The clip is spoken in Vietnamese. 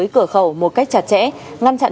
cửa khẩu một cách chặt chẽ ngăn chặn